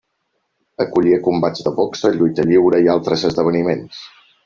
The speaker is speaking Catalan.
Acollia combats de boxa, lluita lliure i altres esdeveniments.